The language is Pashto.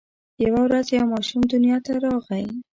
یوه ورځ یو ماشوم دنیا ته راغی.